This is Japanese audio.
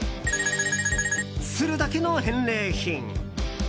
するだけの返礼品。